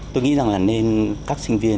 tôi nghĩ rằng là nên các sinh viên